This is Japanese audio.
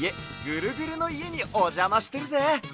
ぐるぐるのいえにおじゃましてるぜ。